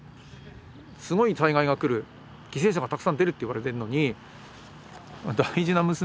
すごい災害が来る犠牲者がたくさん出るって言われてるのに大事な娘を入れてなかった。